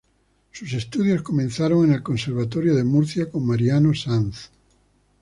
Sus estudios comenzaron en el Conservatorio de Murcia con Mariano Sanz.